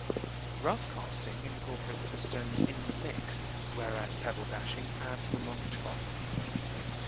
Roughcasting incorporates the stones in the mix, whereas pebbledashing adds them on top.